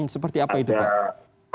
seperti apa itu pak